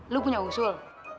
lu punya usul